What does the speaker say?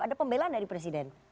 ada pembelaan dari presiden